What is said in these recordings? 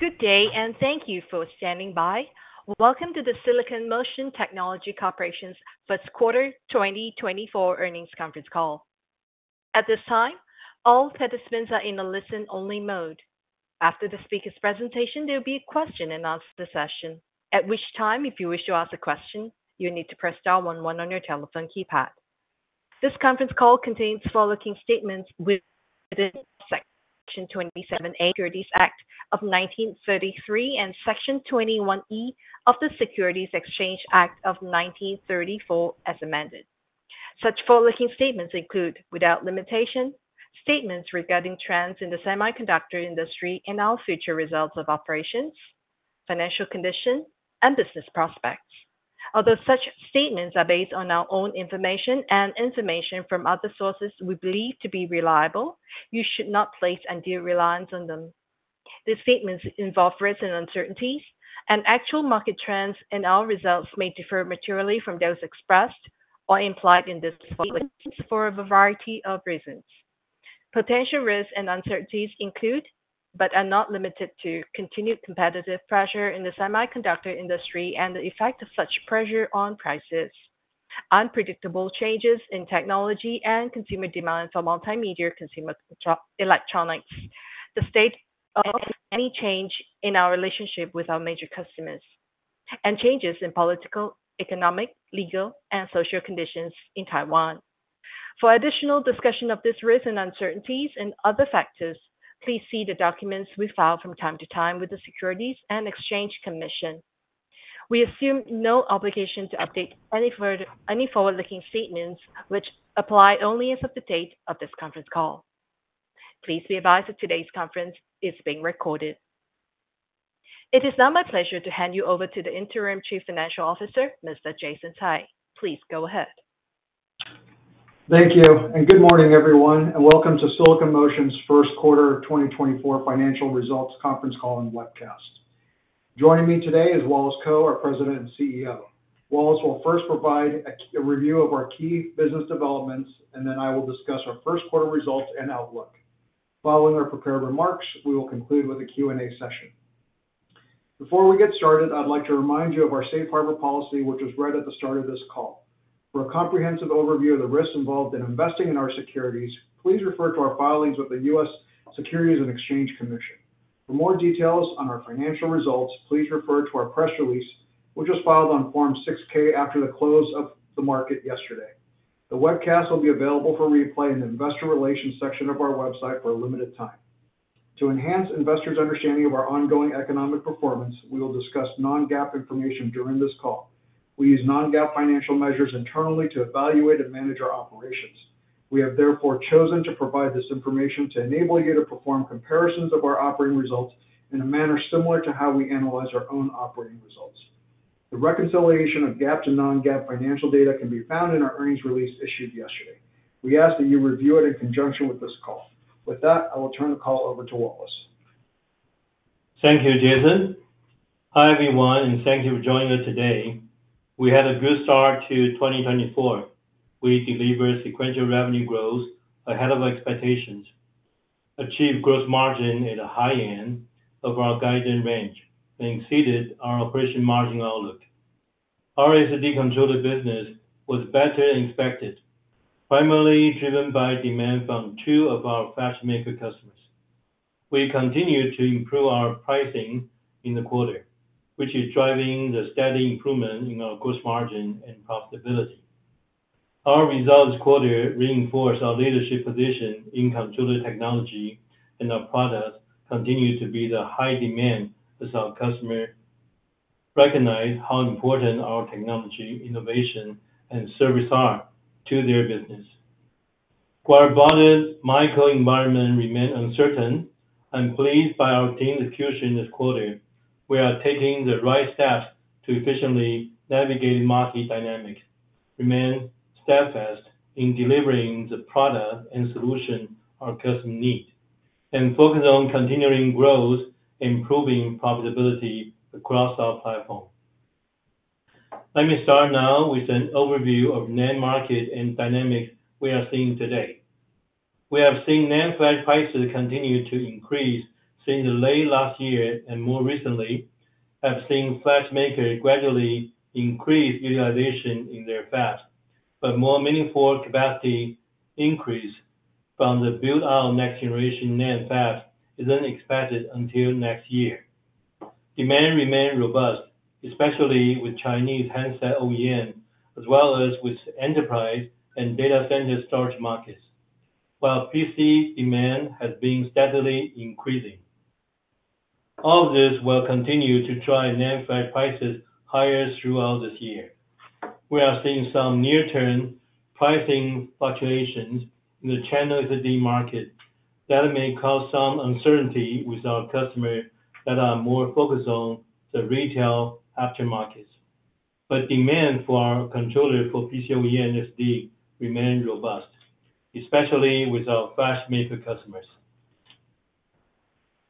Good day and thank you for standing by. Welcome to the Silicon Motion Technology Corporation's Q1 2024 Earnings Conference Call. At this time, all participants are in a listen-only mode. After the speaker's presentation, there will be a question and answer session, at which time if you wish to ask a question, you'll need to press dial 11 on your telephone keypad. This conference call contains forward-looking statements within Section 27A of the Securities Act of 1933 and Section 21E of the Securities Exchange Act of 1934, as amended. Such forward-looking statements include, without limitation, statements regarding trends in the semiconductor industry and our future results of operations, financial condition, and business prospects. Although such statements are based on our own information and information from other sources we believe to be reliable, you should not place undue reliance on them. These statements involve risks and uncertainties, and actual market trends and our results may differ materially from those expressed or implied in this forward-looking statements for a variety of reasons. Potential risks and uncertainties include, but are not limited to, continued competitive pressure in the semiconductor industry and the effect of such pressure on prices, unpredictable changes in technology and consumer demand for multimedia consumer electronics, the state of any change in our relationship with our major customers, and changes in political, economic, legal, and social conditions in Taiwan. For additional discussion of these risks and uncertainties and other factors, please see the documents we file from time to time with the Securities and Exchange Commission. We assume no obligation to update any forward-looking statements which apply only as of the date of this conference call. Please be advised that today's conference is being recorded. It is now my pleasure to hand you over to the interim Chief Financial Officer, Mr. Jason Tsai. Please go ahead. Thank you, and good morning, everyone, and welcome to Silicon Motion's Q1 2024 financial results conference call and webcast. Joining me today is Wallace Kou, our President and CEO. Wallace will first provide a review of our key business developments, and then I will discuss our Q1 results and outlook. Following our prepared remarks, we will conclude with a Q&A session. Before we get started, I'd like to remind you of our safe harbor policy, which was read at the start of this call. For a comprehensive overview of the risks involved in investing in our securities, please refer to our filings with the U.S. Securities and Exchange Commission. For more details on our financial results, please refer to our press release, which was filed on Form 6-K after the close of the market yesterday. The webcast will be available for replay in the investor relations section of our website for a limited time. To enhance investors' understanding of our ongoing economic performance, we will discuss non-GAAP information during this call. We use non-GAAP financial measures internally to evaluate and manage our operations. We have therefore chosen to provide this information to enable you to perform comparisons of our operating results in a manner similar to how we analyze our own operating results. The reconciliation of GAAP to non-GAAP financial data can be found in our earnings release issued yesterday. We ask that you review it in conjunction with this call. With that, I will turn the call over to Wallace. Thank you, Jason. Hi, everyone, and thank you for joining us today. We had a good start to 2024. We delivered sequential revenue growth ahead of expectations, achieved gross margin at the high end of our guideline range, and exceeded our operating margin outlook. Our SSD controller business was better than expected, primarily driven by demand from two of our flash maker customers. We continue to improve our pricing in the quarter, which is driving the steady improvement in our gross margin and profitability. Our results this quarter reinforced our leadership position in controller technology, and our products continue to be in high demand as our customers recognize how important our technology, innovation, and service are to their business. While broader macro-environments remain uncertain, I'm pleased by our team's execution this quarter. We are taking the right steps to efficiently navigate market dynamics, remain steadfast in delivering the product and solution our customers need, and focus on continuing growth and improving profitability across our platform. Let me start now with an overview of NAND market and dynamics we are seeing today. We have seen NAND flash prices continue to increase since late last year and more recently. I've seen flash makers gradually increase utilization in their fabs, but more meaningful capacity increase from the build-out next generation NAND fabs isn't expected until next year. Demand remains robust, especially with Chinese handset OEMs as well as with enterprise and data center storage markets, while PC demand has been steadily increasing. All of this will continue to drive NAND flash prices higher throughout this year. We are seeing some near-term pricing fluctuations in the channel SSD market that may cause some uncertainty with our customers that are more focused on the retail aftermarkets. But demand for our controller for PC OEM SSD remains robust, especially with our flash maker customers.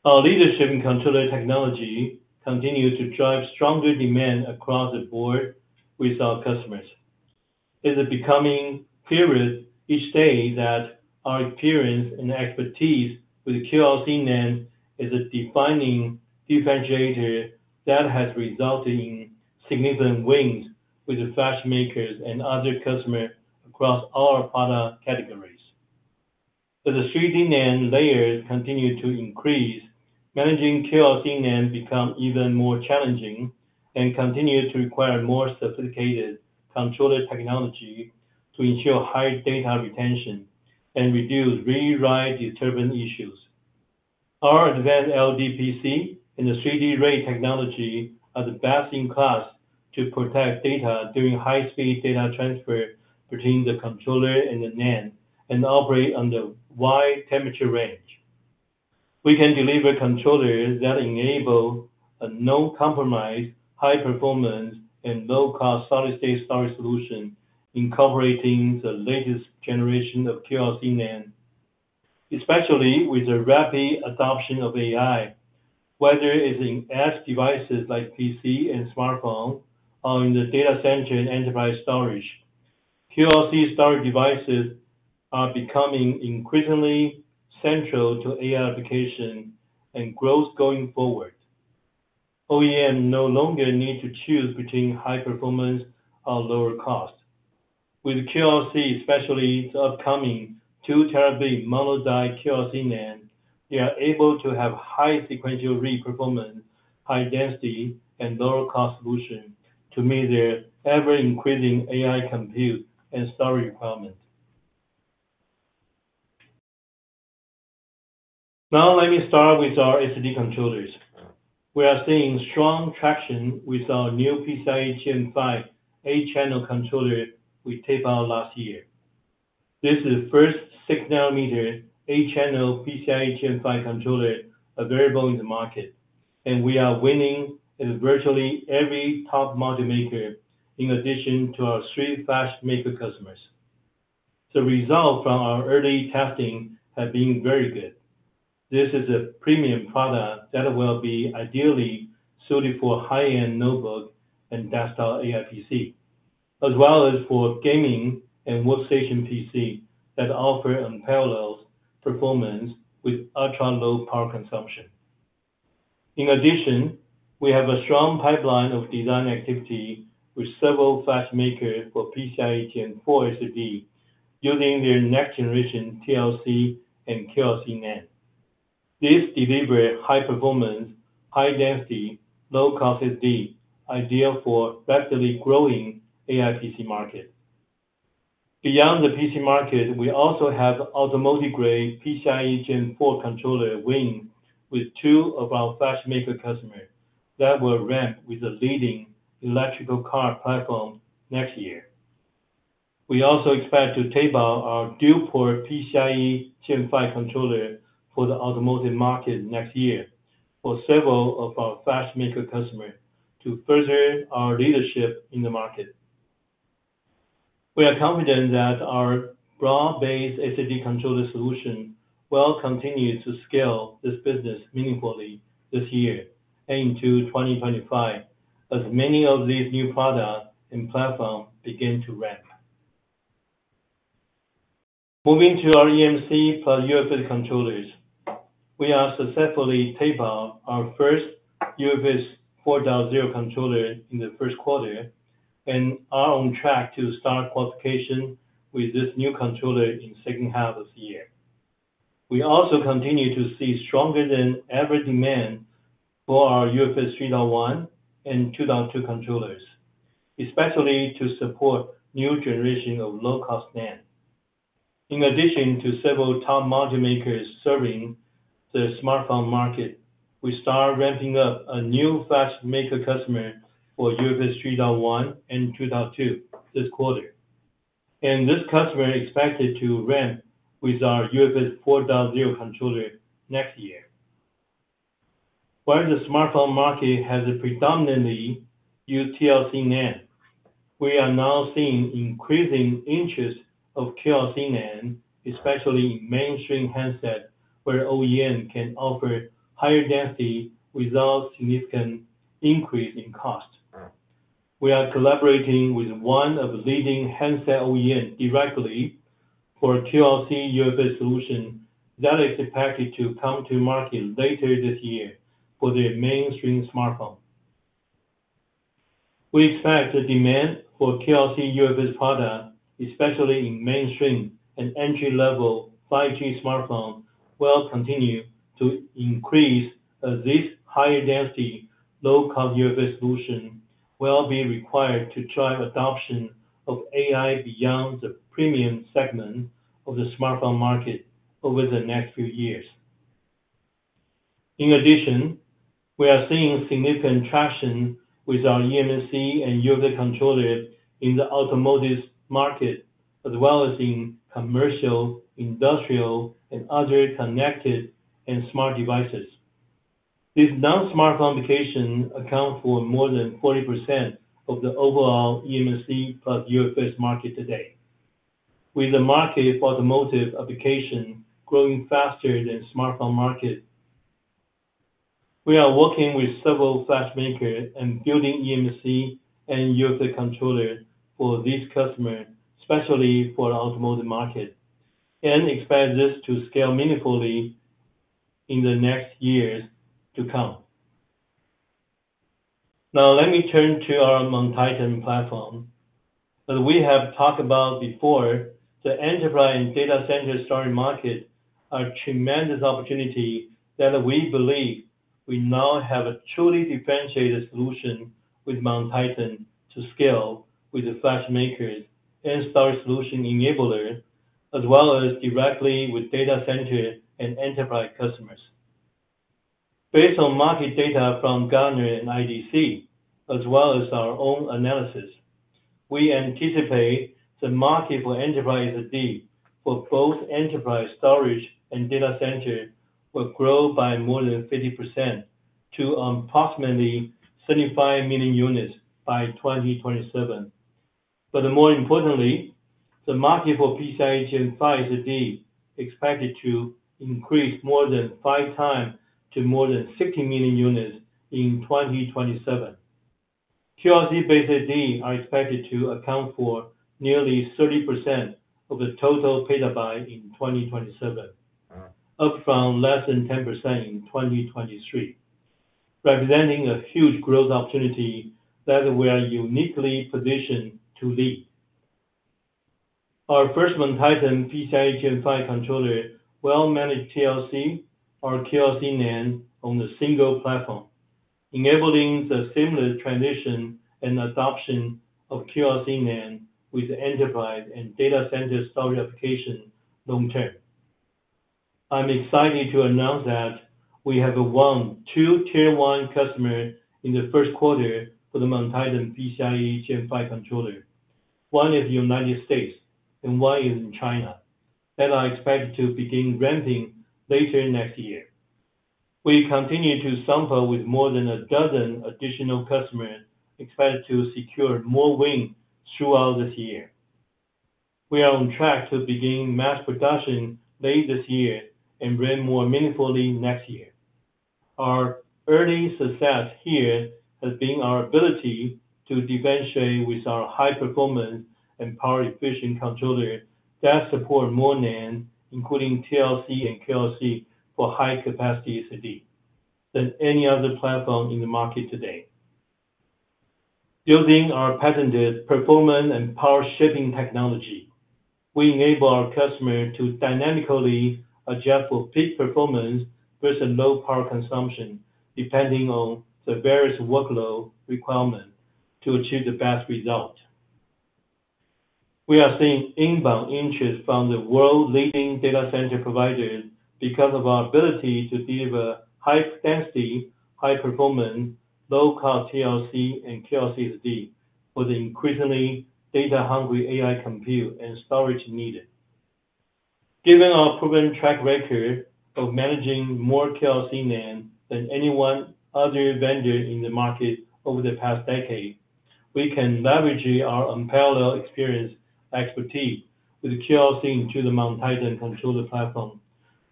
Our leadership in controller technology continues to drive stronger demand across the board with our customers. It's becoming clearer each day that our experience and expertise with QLC NAND is a defining differentiator that has resulted in significant wins with flash makers and other customers across all product categories. As the 3D NAND layers continue to increase, managing QLC NAND becomes even more challenging and continues to require more sophisticated controller technology to ensure high data retention and reduce read/write endurance issues. Our Advanced LDPC and the 3D RAID technology are the best in class to protect data during high-speed data transfer between the controller and the NAND and operate on the wide temperature range. We can deliver controllers that enable a no-compromise high-performance and low-cost solid-state storage solution incorporating the latest generation of QLC NAND. Especially with the rapid adoption of AI, whether it's in edge devices like PC and smartphone or in the data center and enterprise storage, QLC storage devices are becoming increasingly central to AI applications and growth going forward. OEMs no longer need to choose between high performance or lower cost. With QLC, especially the upcoming 2 terabit monolithic QLC NAND, they are able to have high sequential read performance, high density, and lower-cost solutions to meet their ever-increasing AI compute and storage requirements. Now let me start with our SSD controllers. We are seeing strong traction with our new PCIe Gen 5 8-channel controller we taped out last year. This is the first 6-nanometer 8-channel PCIe Gen 5 controller available in the market, and we are winning at virtually every top module maker in addition to our three flash maker customers. The results from our early testing have been very good. This is a premium product that will be ideally suited for high-end notebook and desktop AI PC, as well as for gaming and workstation PCs that offer unparalleled performance with ultra-low power consumption. In addition, we have a strong pipeline of design activity with several flash makers for PCIe Gen 4 SSD using their next generation TLC and QLC NAND. These deliver high performance, high density, low-cost SSD, ideal for rapidly growing AI PC markets. Beyond the PC market, we also have automotive-grade PCIe Gen 4 controller wins with two of our flash maker customers that will ramp with the leading electric car platform next year. We also expect to tape out our dual-port PCIe Gen 5 controller for the automotive market next year for several of our flash maker customers to further our leadership in the market. We are confident that our broad-based SSD controller solution will continue to scale this business meaningfully this year and into 2025 as many of these new products and platforms begin to ramp. Moving to our eMMC plus UFS controllers, we have successfully taped out our first UFS 4.0 controller in the Q1 and are on track to start qualification with this new controller in the H2 of the year. We also continue to see stronger-than-ever demand for our UFS 3.1 and 2.2 controllers, especially to support new generations of low-cost NAND. In addition to several top module makers serving the smartphone market, we start ramping up a new flash maker customer for UFS 3.1 and 2.2 this quarter, and this customer is expected to ramp with our UFS 4.0 controller next year. While the smartphone market has predominantly used TLC NAND, we are now seeing increasing interest in QLC NAND, especially in mainstream handsets, where OEMs can offer higher density without significant increase in cost. We are collaborating with one of the leading handset OEMs directly for a QLC UFS solution that is expected to come to market later this year for their mainstream smartphone. We expect the demand for QLC UFS products, especially in mainstream and entry-level 5G smartphones, will continue to increase as this higher-density, low-cost UFS solution will be required to drive adoption of AI beyond the premium segment of the smartphone market over the next few years. In addition, we are seeing significant traction with our eMMC and UFS controllers in the automotive market as well as in commercial, industrial, and other connected and smart devices. This non-smartphone application accounts for more than 40% of the overall eMMC plus UFS market today, with the market for automotive applications growing faster than the smartphone market. We are working with several flash makers and building eMMC and UFS controllers for these customers, especially for the automotive market, and expect this to scale meaningfully in the next years to come. Now let me turn to our MonTitan platform. As we have talked about before, the enterprise and data center storage markets are a tremendous opportunity that we believe we now have a truly differentiated solution with MonTitan to scale with the flash makers and storage solution enablers, as well as directly with data center and enterprise customers. Based on market data from Gartner and IDC, as well as our own analysis, we anticipate the market for enterprise SSD for both enterprise storage and data centers will grow by more than 50% to approximately 75 million units by 2027. But more importantly, the market for PCIe Gen 5 SSD is expected to increase more than five times to more than 60 million units in 2027. QLC-based SSDs are expected to account for nearly 30% of the total petabytes in 2027, up from less than 10% in 2023, representing a huge growth opportunity that we are uniquely positioned to lead. Our first MonTitan PCIe Gen 5 controller will manage TLC or QLC NAND on a single platform, enabling a similar transition and adoption of QLC NAND with enterprise and data center storage applications long term. I'm excited to announce that we have won two tier-one customers in the Q1 for the MonTitan PCIe Gen 5 controller, one in the United States and one in China, that are expected to begin ramping later next year. We continue to sample with more than a dozen additional customers expected to secure more wins throughout this year. We are on track to begin mass production late this year and ramp more meaningfully next year. Our early success here has been our ability to differentiate with our high-performance and power-efficient controller that supports more NAND, including TLC and QLC for high-capacity SSD, than any other platform in the market today. Building our patented performance and power-shifting technology, we enable our customers to dynamically adjust for peak performance versus low power consumption depending on the various workload requirements to achieve the best result. We are seeing inbound interest from the world-leading data center providers because of our ability to deliver high-density, high-performance, low-cost TLC and QLC SSD for the increasingly data-hungry AI compute and storage needed. Given our proven track record of managing more QLC NAND than any other vendor in the market over the past decade, we can leverage our unparalleled experience and expertise with QLC into the MonTitan controller platform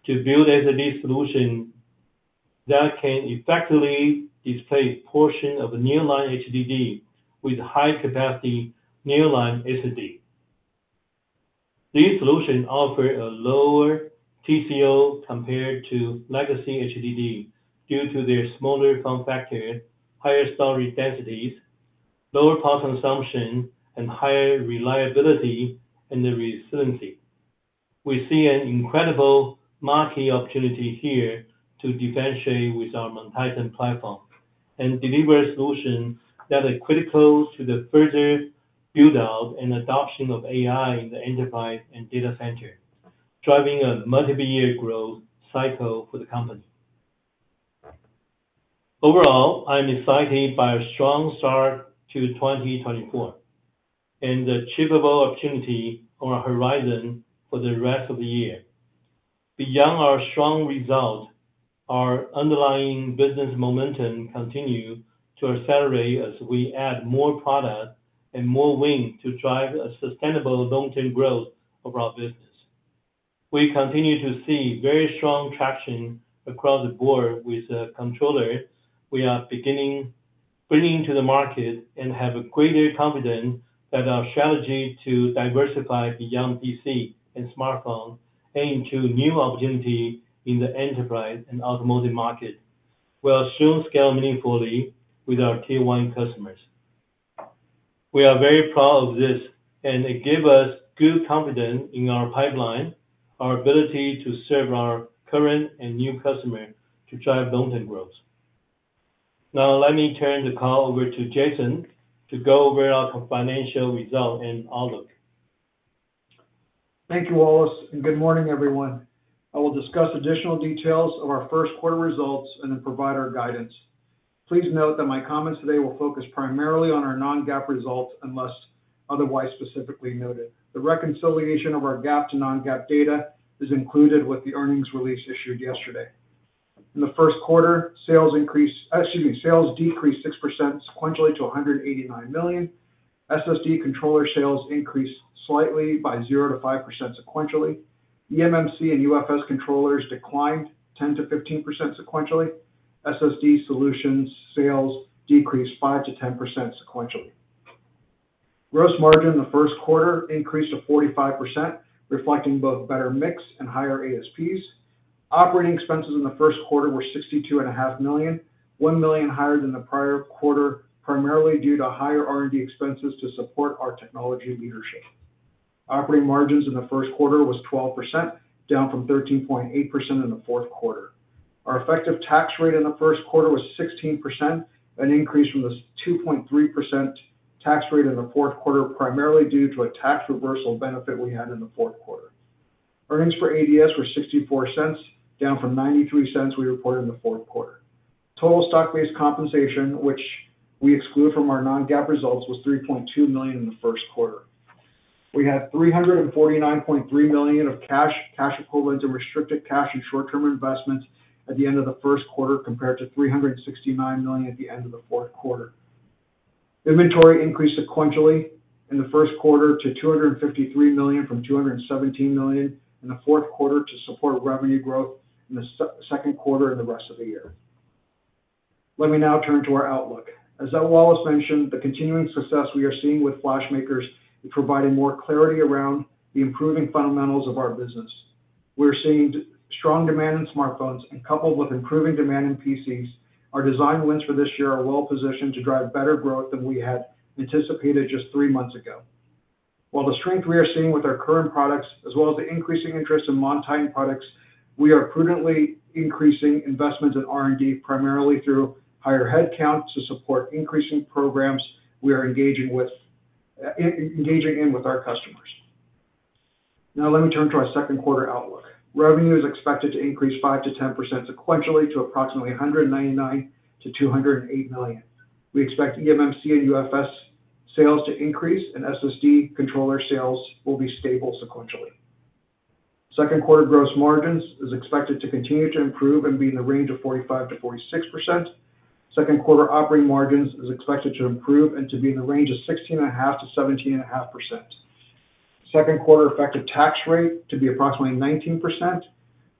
to build SSD solutions that can effectively displace a portion of nearline HDD with high-capacity nearline SSD. These solutions offer a lower TCO compared to legacy HDDs due to their smaller form factor, higher storage densities, lower power consumption, and higher reliability and resiliency. We see an incredible market opportunity here to differentiate with our MonTitan platform and deliver solutions that are critical to the further build-out and adoption of AI in the enterprise and data center, driving a multi-year growth cycle for the company. Overall, I'm excited by a strong start to 2024 and the achievable opportunity on our horizon for the rest of the year. Beyond our strong results, our underlying business momentum continues to accelerate as we add more products and more wins to drive a sustainable long-term growth of our business. We continue to see very strong traction across the board with the controller we are bringing to the market and have greater confidence that our strategy to diversify beyond PC and smartphones aims to create new opportunities in the enterprise and automotive markets. We'll soon scale meaningfully with our tier-one customers. We are very proud of this, and it gives us good confidence in our pipeline, our ability to serve our current and new customers to drive long-term growth. Now let me turn the call over to Jason to go over our financial results and outlook. Thank you, Wallace, and good morning, everyone. I will discuss additional details of our Q1 results and then provide our guidance. Please note that my comments today will focus primarily on our non-GAAP results unless otherwise specifically noted. The reconciliation of our GAAP to non-GAAP data is included with the earnings release issued yesterday. In the Q1, sales increased, excuse me, sales decreased 6% sequentially to $189 million. SSD controller sales increased slightly by 0%-5% sequentially. eMMC and UFS controllers declined 10%-15% sequentially. SSD solutions sales decreased 5%-10% sequentially. Gross margin in the Q1 increased to 45%, reflecting both better mix and higher ASPs. Operating expenses in the Q1 were $62.5 million, $1 million higher than the prior quarter, primarily due to higher R&D expenses to support our technology leadership. Operating margins in the Q1 were 12%, down from 13.8% in the Q4. Our effective tax rate in the Q1 was 16%, an increase from the 2.3% tax rate in the Q4, primarily due to a tax reversal benefit we had in the Q4. Earnings for ADS were $0.64, down from $0.93 we reported in the Q4. Total stock-based compensation, which we exclude from our non-GAAP results, was $3.2 million in the Q1. We had $349.3 million of cash, cash equivalent, and restricted cash in short-term investments at the end of the Q1 compared to $369 million at the end of the Q4. Inventory increased sequentially in the Q1 to $253 million from $217 million in the Q4 to support revenue growth in the Q2 and the rest of the year. Let me now turn to our outlook. As Wallace mentioned, the continuing success we are seeing with flash makers is providing more clarity around the improving fundamentals of our business. We're seeing strong demand in smartphones, and coupled with improving demand in PCs, our design wins for this year are well positioned to drive better growth than we had anticipated just three months ago. While the strength we are seeing with our current products, as well as the increasing interest in MonTitan products, we are prudently increasing investments in R&D, primarily through higher headcount to support increasing programs we are engaging with our customers. Now let me turn to our Q2 outlook. Revenue is expected to increase 5%-10% sequentially to approximately $199 million-$208 million. We expect eMMC and UFS sales to increase, and SSD controller sales will be stable sequentially. Q2 gross margins are expected to continue to improve and be in the range of 45%-46%. Q2 operating margins are expected to improve and to be in the range of 16.5%-17.5%. Q2 effective tax rate to be approximately 19%,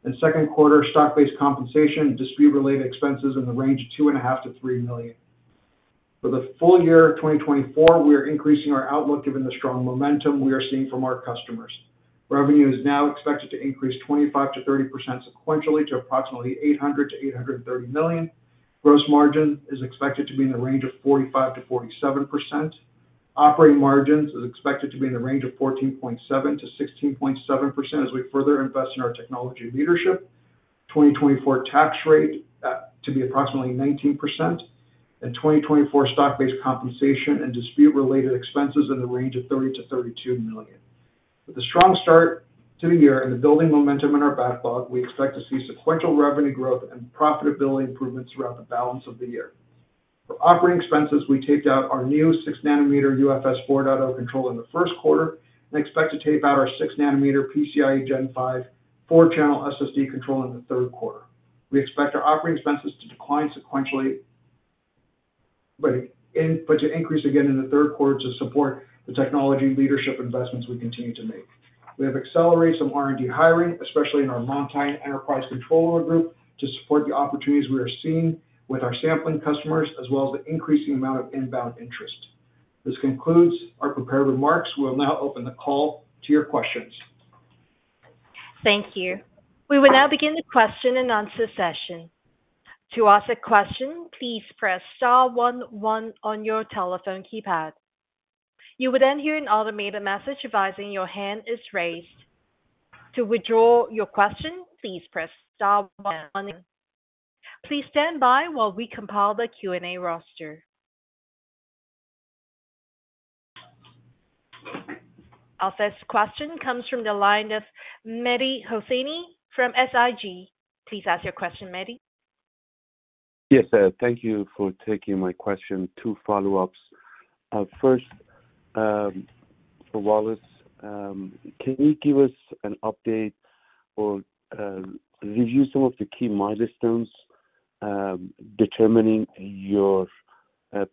and Q2 stock-based compensation dispute-related expenses in the range of $2.5 million-$3 million. For the full year 2024, we are increasing our outlook given the strong momentum we are seeing from our customers. Revenue is now expected to increase 25%-30% sequentially to approximately $800 million-$830 million. Gross margin is expected to be in the range of 45%-47%. Operating margins are expected to be in the range of 14.7%-16.7% as we further invest in our technology leadership. 2024 tax rate to be approximately 19%, and 2024 stock-based compensation and dispute-related expenses in the range of $30 million-$32 million. With a strong start to the year and the building momentum in our backlog, we expect to see sequential revenue growth and profitability improvements throughout the balance of the year. For operating expenses, we taped out our new 6-nanometer UFS 4.0 controller in the Q1 and expect to tape out our 6-nanometer PCIe Gen 5 4-channel SSD controller in the Q3. We expect our operating expenses to decline sequentially but to increase again in the Q3 to support the technology leadership investments we continue to make. We have accelerated some R&D hiring, especially in our MonTitan enterprise controller group, to support the opportunities we are seeing with our sampling customers as well as the increasing amount of inbound interest. This concludes our prepared remarks. We will now open the call to your questions. Thank you. We will now begin the question and answer session. To ask a question, please press star 11 on your telephone keypad. You will then hear an automated message advising your hand is raised. To withdraw your question, please press star 11. Please stand by while we compile the Q&A roster. Our first question comes from the line of Mehdi Hosseini from SIG. Please ask your question, Mehdi. Yes, thank you for taking my question. Two follow-ups. First, Wallace, can you give us an update or review some of the key milestones determining your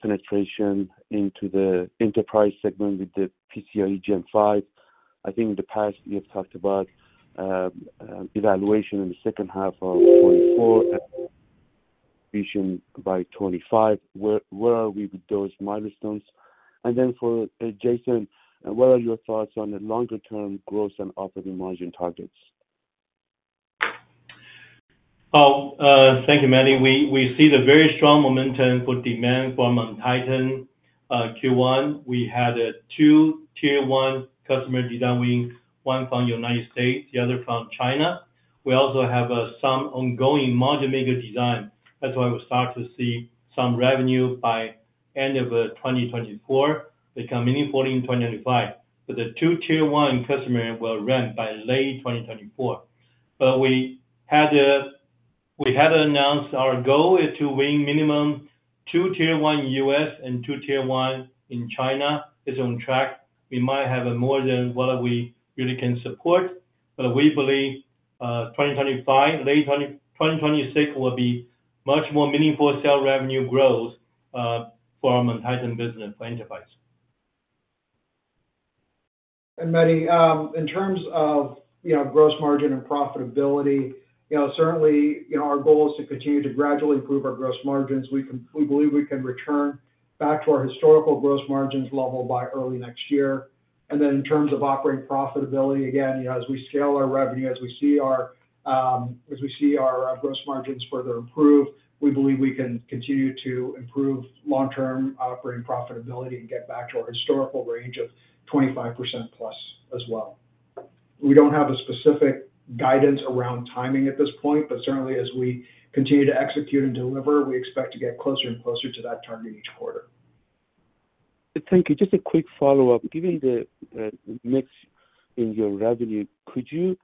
penetration into the enterprise segment with the PCIe Gen 5? I think in the past, you have talked about evaluation in the of 2024 and vision by 2025. Where are we with those milestones? And then for Jason, what are your thoughts on the longer-term growth and operating margin targets? Thank you, Mehdi. We see a very strong momentum for demand for MonTitan. Q1, we had two tier-one customer design wins, one from the United States, the other from China. We also have some ongoing module-maker design. That's why we start to see some revenue by end of 2024 become meaningful in 2025. But the two tier-one customers will ramp by late 2024. But we had announced our goal to win minimum two tier-one in the U.S. and two tier-one in China. It's on track. We might have more than what we really can support, but we believe 2025, late 2026, will be much more meaningful sales revenue growth for our MonTitan business, for enterprise. Mehdi, in terms of gross margin and profitability, certainly, our goal is to continue to gradually improve our gross margins. We believe we can return back to our historical gross margins level by early next year. Then in terms of operating profitability, again, as we scale our revenue, as we see our gross margins further improve, we believe we can continue to improve long-term operating profitability and get back to our historical range of 25%+ as well. We don't have a specific guidance around timing at this point, but certainly, as we continue to execute and deliver, we expect to get closer and closer to that target each quarter. Thank you. Just a quick follow-up. Given the mix in your revenue, could you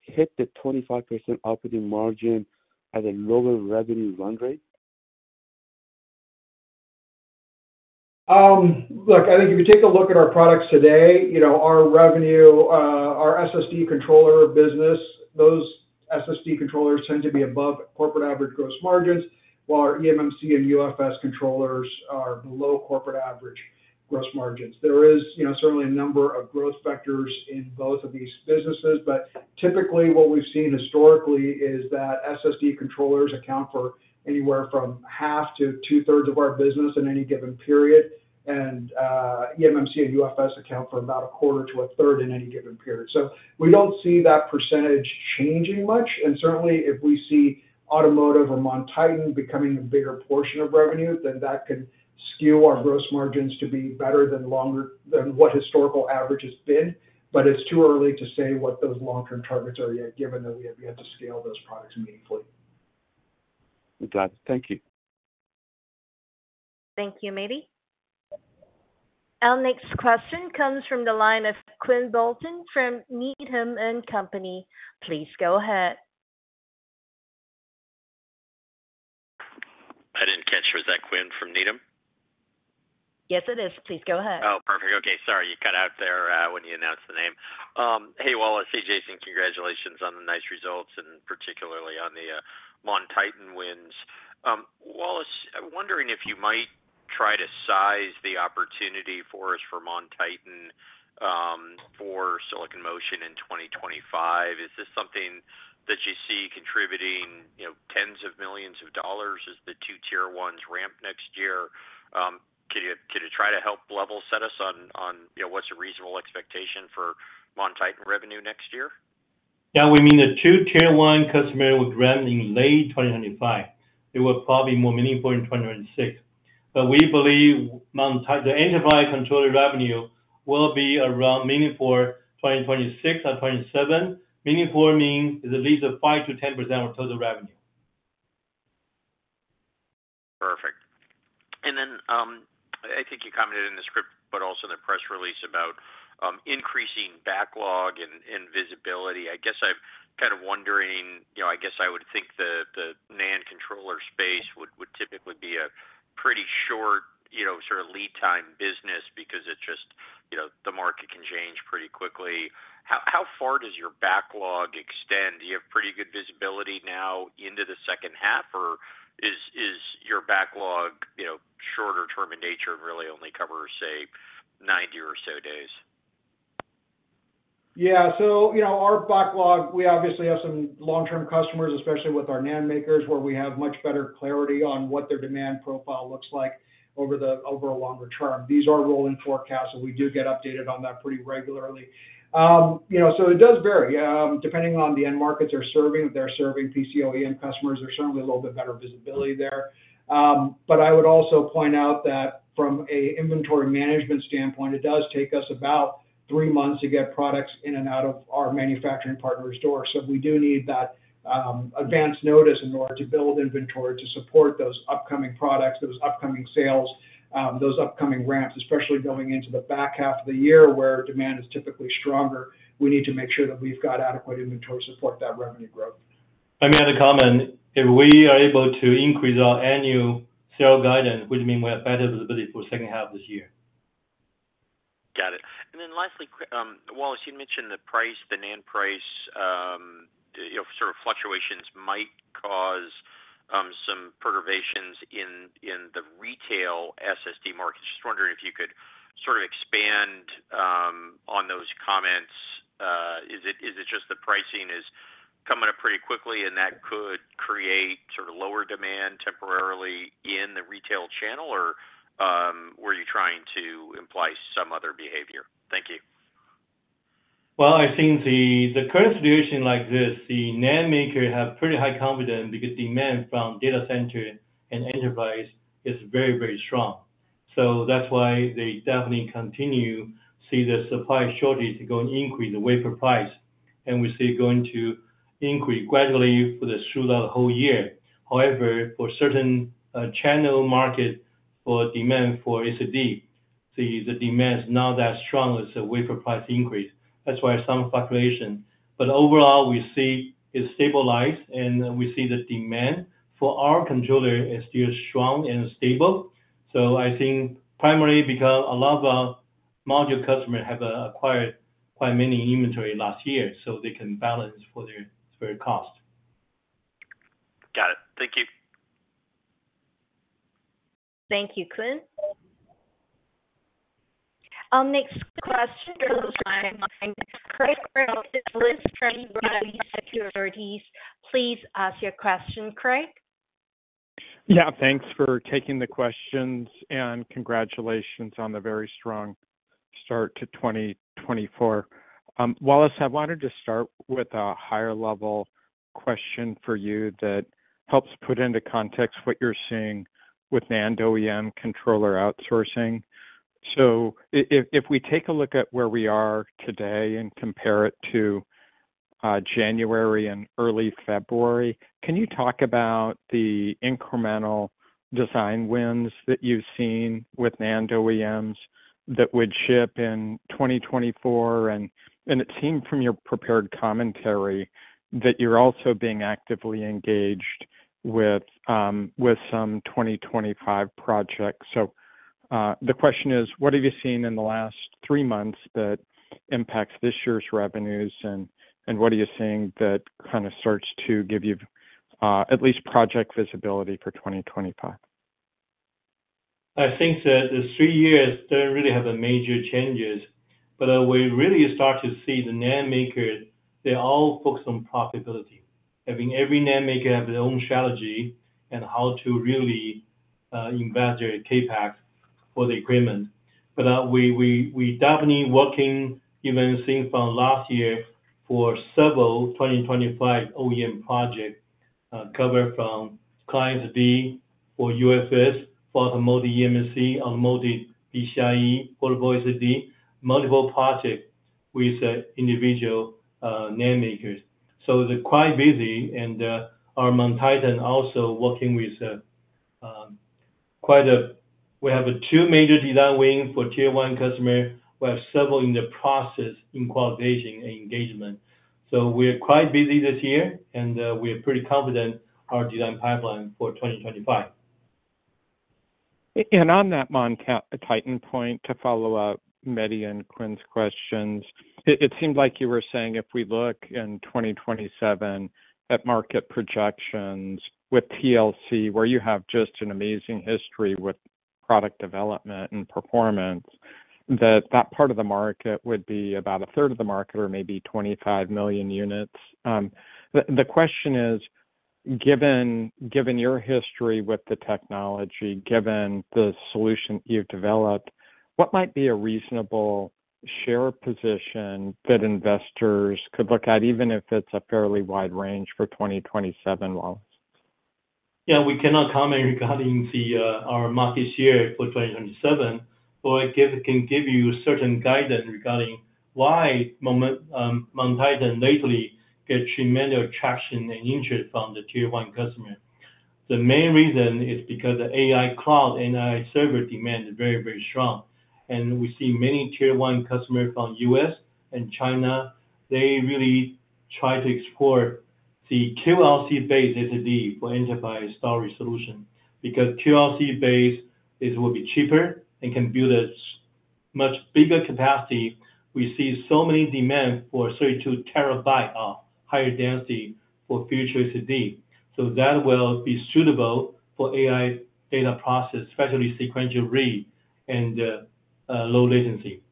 hit the 25% operating margin at a lower revenue run rate? Look, I think if you take a look at our products today, our revenue, our SSD controller business, those SSD controllers tend to be above corporate average gross margins, while our eMMC and UFS controllers are below corporate average gross margins. There is certainly a number of growth factors in both of these businesses, but typically, what we've seen historically is that SSD controllers account for anywhere from half to two-thirds of our business in any given period, and eMMC and UFS account for about a quarter to a third in any given period. So we don't see that percentage changing much. And certainly, if we see automotive or MonTitan becoming a bigger portion of revenue, then that could skew our gross margins to be better than what historical average has been. But it's too early to say what those long-term targets are yet, given that we have yet to scale those products meaningfully. Got it. Thank you. Thank you, Mehdi. Our next question comes from the line of Quinn Bolton from Needham & Company. Please go ahead. I didn't catch you. Was that Quinn from Needham? Yes, it is. Please go ahead. Oh, perfect. Okay. Sorry, you cut out there when you announced the name. Hey, Wallace. Hey, Jason. Congratulations on the nice results, and particularly on the MonTitan wins. Wallace, wondering if you might try to size the opportunity for us for MonTitan for Silicon Motion in 2025. Is this something that you see contributing tens of millions of dollars as the two tier-ones ramp next year? Could it try to help level set us on what's a reasonable expectation for MonTitan revenue next year? Yeah. We mean the two tier-one customers would ramp in late 2025. It would probably be more meaningful in 2026. But we believe the enterprise controller revenue will be around meaningful 2026 or 2027. Meaningful means it's at least a 5%-10% of our total revenue. Perfect. And then I think you commented in the script but also in the press release about increasing backlog and visibility. I guess I'm kind of wondering I guess I would think the NAND controller space would typically be a pretty short sort of lead-time business because the market can change pretty quickly. How far does your backlog extend? Do you have pretty good visibility now into the H2, or is your backlog shorter-term in nature and really only covers, say, 90 or so days? Yeah. So our backlog, we obviously have some long-term customers, especially with our NAND makers, where we have much better clarity on what their demand profile looks like over a longer term. These are rolling forecasts, and we do get updated on that pretty regularly. So it does vary. Depending on the end markets they're serving, if they're serving PCOEM customers, there's certainly a little bit better visibility there. But I would also point out that from an inventory management standpoint, it does take us about three months to get products in and out of our manufacturing partner's door. So we do need that advance notice in order to build inventory to support those upcoming products, those upcoming sales, those upcoming ramps, especially going into the back half of the year where demand is typically stronger. We need to make sure that we've got adequate inventory to support that revenue growth. I may add a comment. If we are able to increase our annual sales guidance, would it mean we have better visibility for the H2 of this year? Got it. And then lastly, Wallace, you mentioned the price, the NAND price, sort of fluctuations might cause some perturbations in the retail SSD market. Just wondering if you could sort of expand on those comments. Is it just the pricing is coming up pretty quickly, and that could create sort of lower demand temporarily in the retail channel, or were you trying to imply some other behavior? Thank you. Well, I've seen the current situation like this, the NAND makers have pretty high confidence because demand from data center and enterprise is very, very strong. So that's why they definitely continue to see the supply shortage going to increase the wafer price, and we see it going to increase gradually throughout the whole year. However, for certain channel markets, the demand for SSD is not that strong as the wafer price increase. That's why some fluctuation. But overall, we see it stabilized, and we see the demand for our controller is still strong and stable. So I think primarily because a lot of our module customers have acquired quite many inventory last year, so they can balance for their cost. Got it. Thank you. Thank you, Quinn. Our next question goes online from Craig Ellis at B. Riley Securities. Please ask your question, Craig. Yeah. Thanks for taking the questions, and congratulations on the very strong start to 2024. Wallace, I wanted to start with a higher-level question for you that helps put into context what you're seeing with NAND OEM controller outsourcing. So if we take a look at where we are today and compare it to January and early February, can you talk about the incremental design wins that you've seen with NAND OEMs that would ship in 2024? And it seemed from your prepared commentary that you're also being actively engaged with some 2025 projects. So the question is, what have you seen in the last three months that impacts this year's revenues, and what are you seeing that kind of starts to give you at least project visibility for 2025? I think that the three years don't really have major changes. But we really start to see the NAND makers; they all focus on profitability, having every NAND maker have their own strategy and how to really invest their CapEx for the equipment. But we are definitely working, even seeing from last year, for several 2025 OEM projects covering Client SSD for UFS, for automotive eMMC, automotive PCIe, portable SSD, multiple projects with individual NAND makers. So they're quite busy, and our MonTitan also working with quite a few; we have 2 major design wins for tier-one customers. We have several in the process in qualification and engagement. So we are quite busy this year, and we are pretty confident in our design pipeline for 2025. On that MonTitan point, to follow up Mehdi and Quinn's questions, it seemed like you were saying if we look in 2027 at market projections with TLC, where you have just an amazing history with product development and performance, that that part of the market would be about a third of the market or maybe 25 million units. The question is, given your history with the technology, given the solution you've developed, what might be a reasonable share position that investors could look at, even if it's a fairly wide range, for 2027, Wallace? Yeah. We cannot comment regarding our market share for 2027, but I can give you certain guidance regarding why MonTitan lately gets tremendous traction and interest from the tier-one customer. The main reason is because the AI cloud and AI server demand is very, very strong. We see many tier-one customers from the U.S. and China. They really try to explore the QLC-based SSD for enterprise storage solution because QLC-based will be cheaper and can build a much bigger capacity. We see so many demand for 32 TB of higher density for future SSD. That will be suitable for AI data process, especially sequential read and low latency.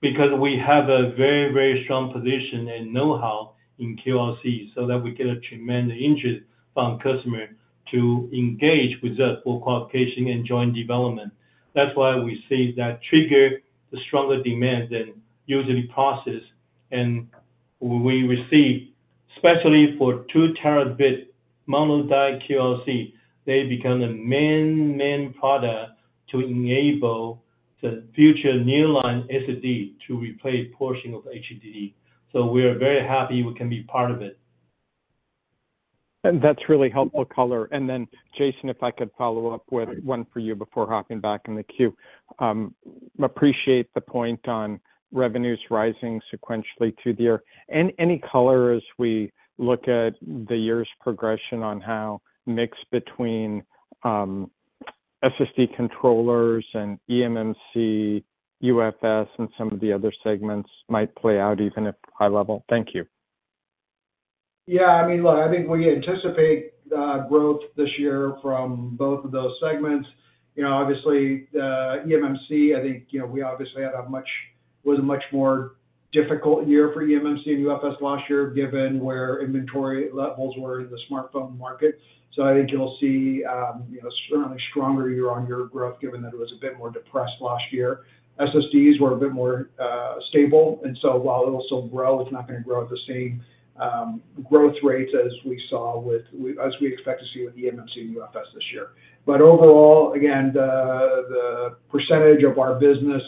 Because we have a very, very strong position and know-how in QLC so that we get a tremendous interest from customers to engage with us for qualification and joint development, that's why we see that trigger the stronger demand than usually processed. When we receive, especially for 2-Tb monolithic QLC, they become the main, main product to enable the future nearline SSD to replace a portion of HDD. We are very happy we can be part of it. That's really helpful color. And then, Jason, if I could follow up with one for you before hopping back in the queue. Appreciate the point on revenues rising sequentially through the year. Any color, as we look at the year's progression on how mix between SSD controllers and eMMC, UFS, and some of the other segments might play out, even if high-level? Thank you. Yeah. I mean, look, I think we anticipate growth this year from both of those segments. Obviously, eMMC, I think we obviously had a much more difficult year for eMMC and UFS last year, given where inventory levels were in the smartphone market. So I think you'll see certainly stronger year-on-year growth, given that it was a bit more depressed last year. SSDs were a bit more stable. And so while it'll still grow, it's not going to grow at the same growth rates as we expect to see with eMMC and UFS this year. But overall, again, the percentage of our business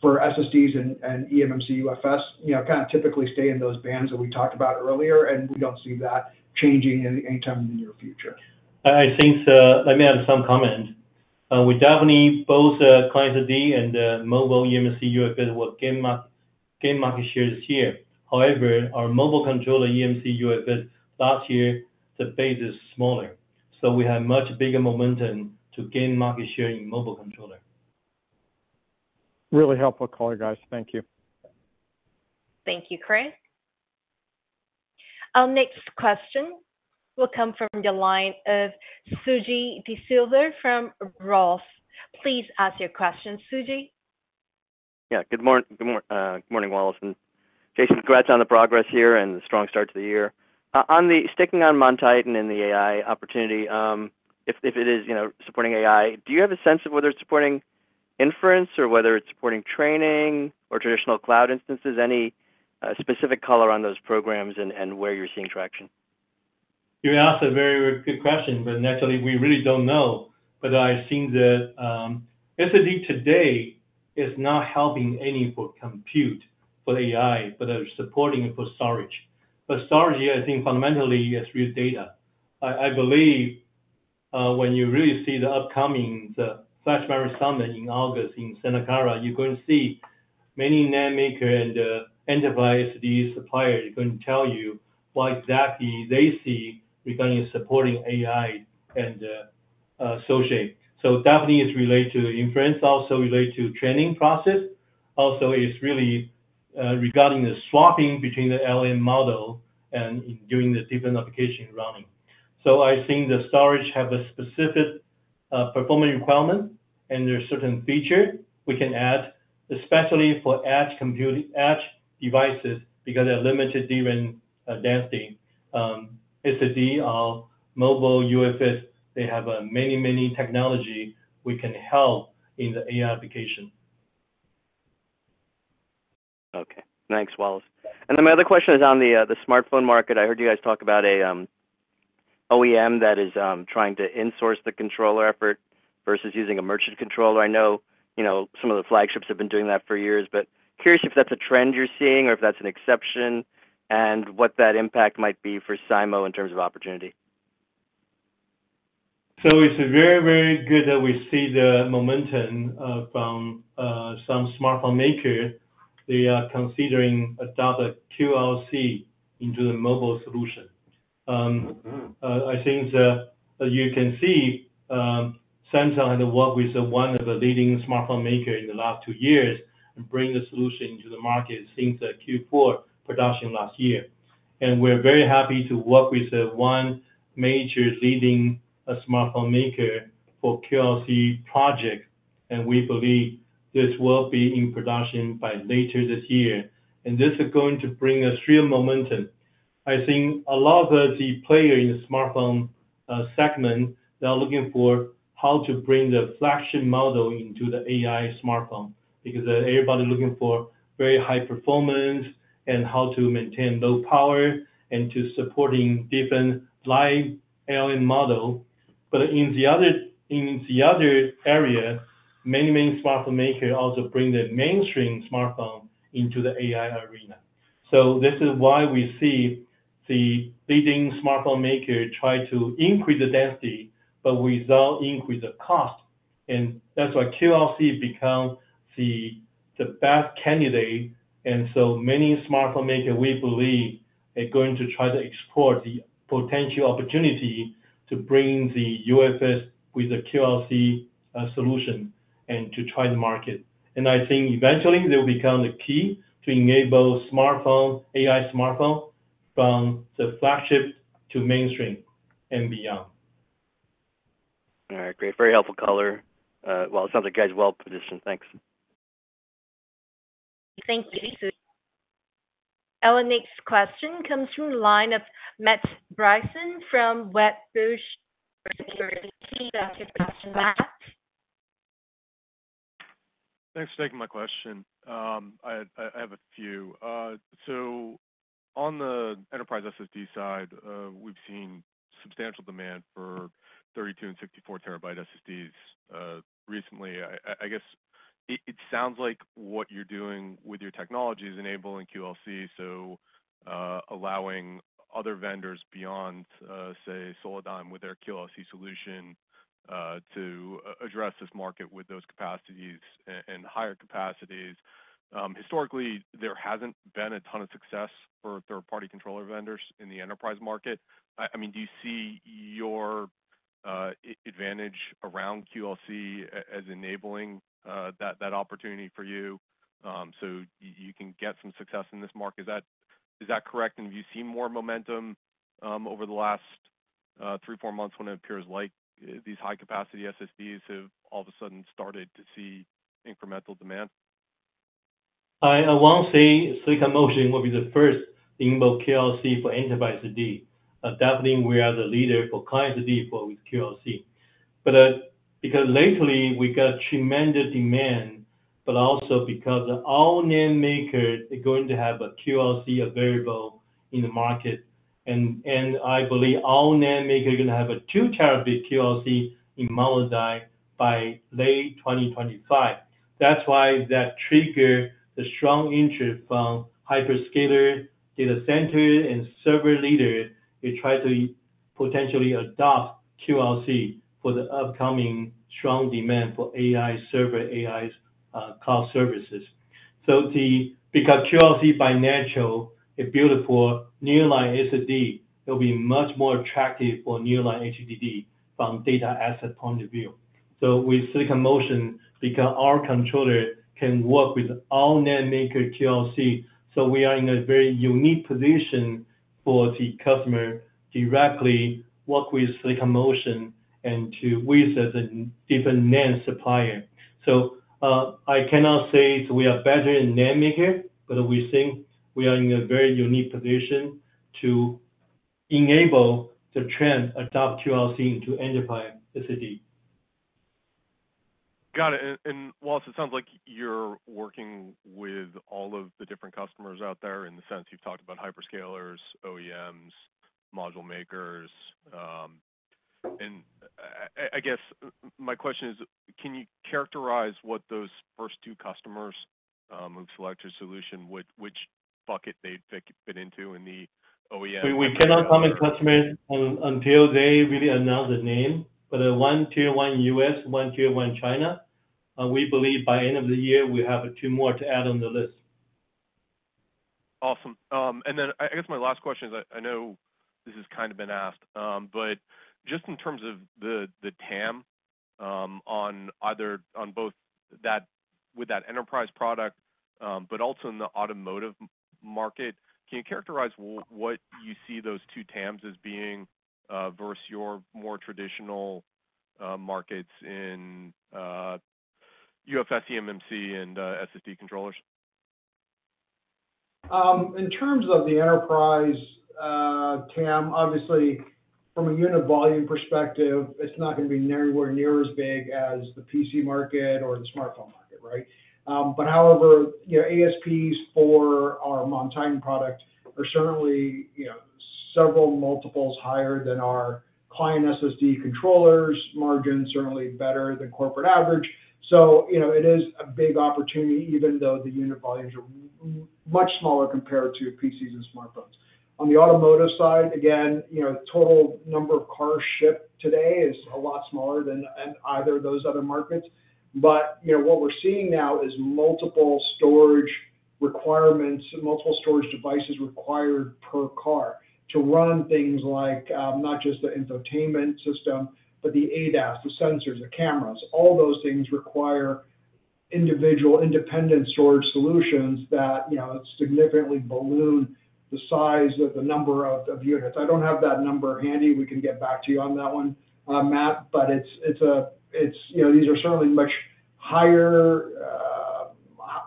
for SSDs and eMMC, UFS kind of typically stay in those bands that we talked about earlier, and we don't see that changing anytime in the near future. I think let me add some comment. We definitely both Client SSD and mobile eMMC, UFS will gain market share this year. However, our mobile controller eMMC, UFS, last year, the base is smaller. So we have much bigger momentum to gain market share in mobile controller. Really helpful color, guys. Thank you. Thank you, Craig. Our next question will come from the line of Suji Desilva from Roth MKM. Please ask your question, Suji. Yeah. Good morning. Good morning, Wallace and Jason, congrats on the progress here and the strong start to the year. Sticking on MonTitan and the AI opportunity, if it is supporting AI, do you have a sense of whether it's supporting inference or whether it's supporting training or traditional cloud instances? Any specific color on those programs and where you're seeing traction? You asked a very good question, but naturally, we really don't know. I've seen that SSD today is not helping any for compute for AI, but it's supporting it for storage. Storage, I think, fundamentally is real data. I believe when you really see the upcoming Flash Memory Summit in August in Santa Clara, you're going to see many NAND makers and enterprise SSD suppliers going to tell you what exactly they see regarding supporting AI and associated. Definitely it's related to inference, also related to training process. Also, it's really regarding the swapping between the LLM model and doing the different application running. So I think the storage have a specific performance requirement, and there's certain features we can add, especially for edge devices because they have limited DRAM density. SSD, mobile, UFS, they have many, many technologies we can help in the AI application. Okay. Thanks, Wallace. And then my other question is on the smartphone market. I heard you guys talk about an OEM that is trying to insource the controller effort versus using a merchant controller. I know some of the flagships have been doing that for years, but curious if that's a trend you're seeing or if that's an exception and what that impact might be for SIMO in terms of opportunity. So it's very, very good that we see the momentum from some smartphone makers. They are considering adopting QLC into the mobile solution. I think that you can see Samsung had to work with one of the leading smartphone makers in the last two years and bring the solution into the market since Q4 production last year. We're very happy to work with one major leading smartphone maker for QLC projects, and we believe this will be in production by later this year. This is going to bring a real momentum. I think a lot of the players in the smartphone segment, they're looking for how to bring the flagship model into the AI smartphone because everybody's looking for very high performance and how to maintain low power and to support different LLM models. But in the other area, many, many smartphone makers also bring the mainstream smartphone into the AI arena. So this is why we see the leading smartphone makers try to increase the density, but without increasing the cost. And that's why QLC becomes the best candidate. And so many smartphone makers, we believe, are going to try to explore the potential opportunity to bring the UFS with the QLC solution and to try the market. And I think eventually, they'll become the key to enable AI smartphone from the flagship to mainstream and beyond. All right. Great. Very helpful color. Well, it sounds like you guys are well positioned. Thanks. Thank you, Suji. Our next question comes from the line of Matt Bryson from Wedbush Securities. Thank you for asking that. Thanks for taking my question. I have a few. So on the enterprise SSD side, we've seen substantial demand for 32 TB and 64 TB SSDs recently. I guess it sounds like what you're doing with your technology is enabling QLC, so allowing other vendors beyond, say, Solidigm with their QLC solution to address this market with those capacities and higher capacities. Historically, there hasn't been a ton of success for third-party controller vendors in the enterprise market. I mean, do you see your advantage around QLC as enabling that opportunity for you so you can get some success in this market? Is that correct? And have you seen more momentum over the last 3, 4 months when it appears like these high-capacity SSDs have all of a sudden started to see incremental demand? I will say Silicon Motion will be the first inbound QLC for enterprise SSD. Definitely, we are the leader for client SSD with QLC. But because lately, we got tremendous demand, but also because all NAND makers are going to have a QLC available in the market. And I believe all NAND makers are going to have a 2-Tb QLC in monolithic by late 2025. That's why that triggered the strong interest from hyperscaler data centers and server leaders who try to potentially adopt QLC for the upcoming strong demand for AI server, AI cloud services. So because QLC by nature, it builds for nearline SSD, it'll be much more attractive for nearline HDD from data asset point of view. So with Silicon Motion, because our controller can work with all NAND maker QLC, so we are in a very unique position for the customer to directly work with Silicon Motion and to use it as a different NAND supplier. So I cannot say we are better than NAND makers, but we think we are in a very unique position to enable the trend to adopt QLC into enterprise SSD. Got it. Wallace, it sounds like you're working with all of the different customers out there in the sense you've talked about hyperscalers, OEMs, module makers. I guess my question is, can you characterize what those first two customers who've selected a solution, which bucket they'd fit into in the OEM? We cannot comment on customers until they really announce the name. But one tier-one U.S., one tier-one China, we believe by the end of the year, we have two more to add on the list. Awesome. And then I guess my last question is I know this has kind of been asked, but just in terms of the TAM on both with that enterprise product, but also in the automotive market, can you characterize what you see those two TAMs as being versus your more traditional markets in UFS, eMMC, and SSD controllers? In terms of the enterprise TAM, obviously, from a unit volume perspective, it's not going to be nowhere near as big as the PC market or the smartphone market, right? But however, ASPs for our MonTitan product are certainly several multiples higher than our client SSD controllers, margin certainly better than corporate average. So it is a big opportunity, even though the unit volumes are much smaller compared to PCs and smartphones. On the automotive side, again, total number of cars shipped today is a lot smaller than in either of those other markets. But what we're seeing now is multiple storage requirements, multiple storage devices required per car to run things like not just the infotainment system, but the ADAS, the sensors, the cameras. All those things require individual, independent storage solutions that significantly balloon the size of the number of units. I don't have that number handy. We can get back to you on that one, Matt, but these are certainly much higher,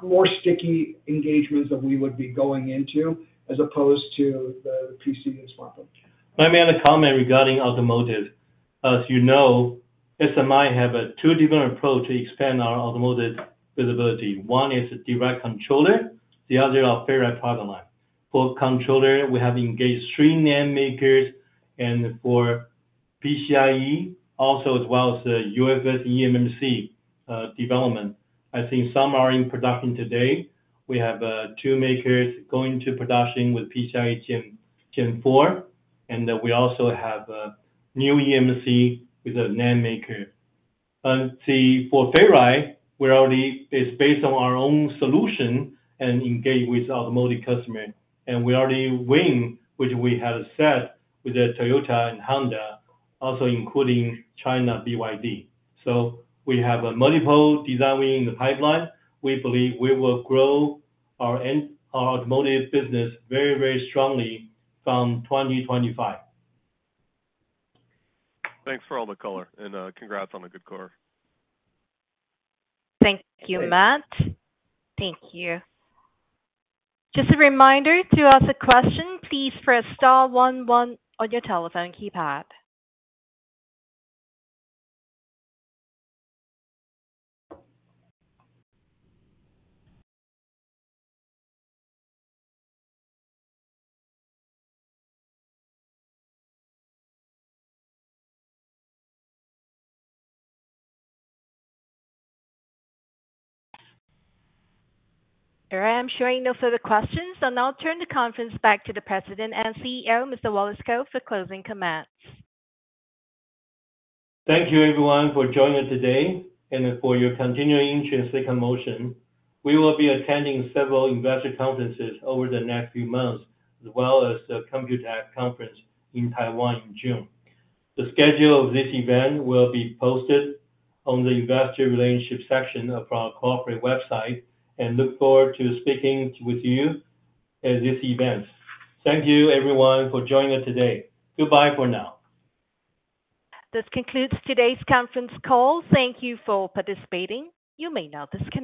more sticky engagements that we would be going into as opposed to the PC and smartphone. Let me add a comment regarding automotive. As you know, SMI have a two-dimensional approach to expand our automotive visibility. One is a direct controller. The other are Ferri product line. For controller, we have engaged three NAND makers. And for PCIe, also as well as the UFS and eMMC development, I think some are in production today. We have two makers going to production with PCIe Gen 4, and we also have a new eMMC with a NAND maker. For Ferri, it's based on our own solution and engage with automotive customers. And we already win, which we had said with Toyota and Honda, also including China BYD. So we have multiple design wins in the pipeline. We believe we will grow our automotive business very, very strongly from 2025. Thanks for all the color, and congrats on the good core. Thank you, Matt. Thank you. Just a reminder to ask a question, please, press star 11 on your telephone keypad. All right. I'm showing no further questions, so now I'll turn the conference back to the President and CEO, Mr. Wallace Kou, for closing comments. Thank you, everyone, for joining today and for your continuing interest in Silicon Motion. We will be attending several investor conferences over the next few months, as well as the Computex Conference in Taiwan in June. The schedule of this event will be posted on the investor relationship section of our corporate website, and look forward to speaking with you at this event. Thank you, everyone, for joining us today. Goodbye for now. This concludes today's conference call. Thank you for participating. You may now disconnect.